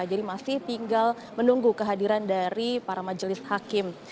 jadi masih tinggal menunggu kehadiran dari para majelis hakim